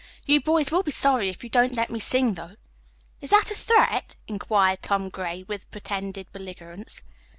"You boys will be sorry if you don't let me sing, though." "Is that a threat?" inquired Tom Gray with pretended belligerence.